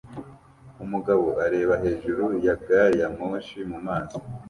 Umugabo areba hejuru ya gariyamoshi mu mazi